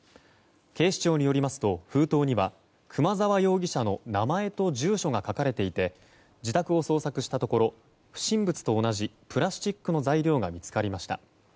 警視庁によりますと封筒には熊澤容疑者の名前と住所が書かれていて自宅を捜索したところ不審物と同じプラスチックの材料が見つかりました。